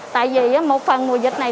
tại vì một phần mùa dịch này